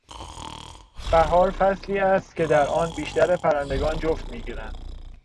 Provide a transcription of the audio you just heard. بهار فصلی است که در آن بیشتر پرندگان جفت میگیرند.